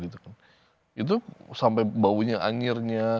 itu sampai baunya anjirnya